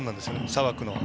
さばくのは。